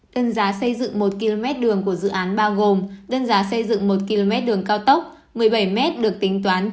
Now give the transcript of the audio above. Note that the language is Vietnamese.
đơn giá xây dựng một km đường của dự án bao gồm đơn giá xây dựng một km đường cao tốc một mươi bảy m được tính toán